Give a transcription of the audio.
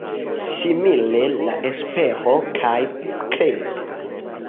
Simile la Espero kaj kredo.